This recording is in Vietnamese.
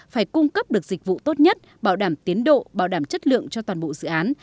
phải cung cấp được dịch vụ tốt nhất bảo đảm tiến độ bảo đảm chất lượng cho toàn bộ dự án